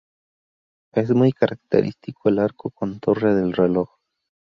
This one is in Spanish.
Es muy característico el arco con torre del reloj.